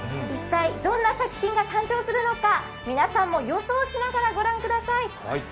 一体、どんな作品が誕生するのか皆さんも予想しながら御覧ください。